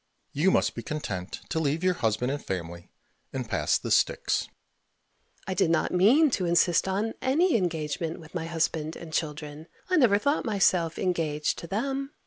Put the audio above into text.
You must be content to leave your husband and family, and pass the Styx. Mrs. Modish. I did not mean to insist on any engagement with my husband and children; I never thought myself engaged to them.